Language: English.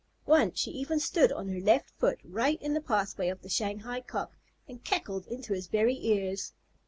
Once she even stood on her left foot right in the pathway of the Shanghai Cock, and cackled into his very ears.